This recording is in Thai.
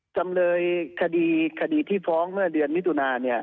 จำเลยคดีที่ฟ้องเมื่อเดือนมิถุนา